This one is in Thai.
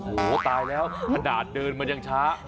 โอ้โหตายแล้วขนาดเดินมันยังช้า